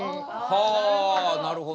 はあなるほど。